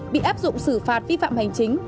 bị áp dụng xử phạt vi phạm hành chính